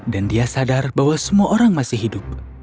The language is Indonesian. dan dia sadar bahwa semua orang masih hidup